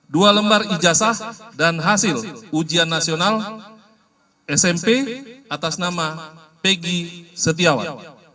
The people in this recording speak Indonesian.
dua lembar ijazah dan hasil ujian nasional smp atas nama pegi setiawan